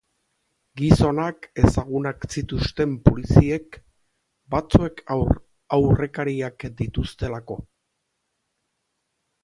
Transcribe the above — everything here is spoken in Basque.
Gizonak ezagunak zituzten poliziek, batzuek aurrekariak dituztelako.